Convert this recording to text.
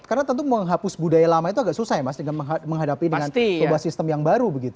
karena tentu menghapus budaya lama itu agak susah ya mas dengan menghadapi dengan sistem yang baru begitu